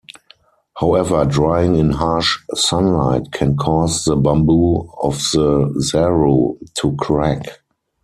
However, drying in harsh sunlight can cause the bamboo of the "zaru" to crack.